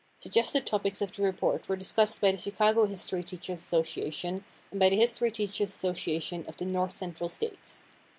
Suggested topics of the report were discussed by the Chicago History Teachers' Association and by the History Teachers' Association of the North Central States.